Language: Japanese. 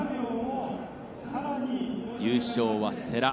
優勝は世羅。